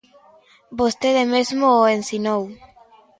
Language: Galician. Vostede mesmo o ensinou.